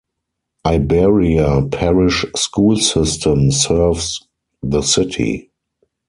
Iberia Parish School System serves the city.